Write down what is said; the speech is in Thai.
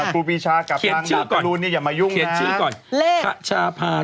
บุธีชากับรางดาบเกลูนนี่อย่าไหม้ยุ่งนะ